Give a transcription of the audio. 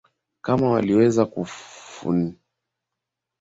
wanaoweza kufundisha elimu aliyokuwa nayo Frumensyo pamoja na